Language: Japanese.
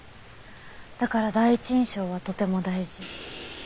だから第一印象はとても大事。